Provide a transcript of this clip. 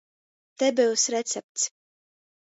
Te byus recepts!